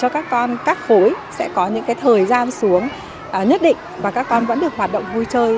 các khối sẽ có những thời gian xuống nhất định và các con vẫn được hoạt động vui chơi